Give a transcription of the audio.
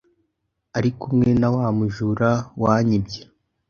Arikumwe nawa mujura wanyibye